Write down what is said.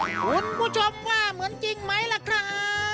คุณผู้ชมว่าเหมือนจริงไหมล่ะครับ